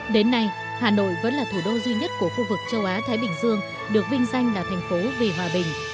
đến nay hà nội vẫn là thủ đô duy nhất của khu vực châu á thái bình dương được vinh danh là thành phố vì hòa bình